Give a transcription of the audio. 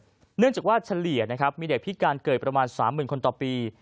เนื่องจากว่าเฉลี่ยนะครับมีเด็กพิการเกิดประมาณ๓๐๐๐คนต่อปี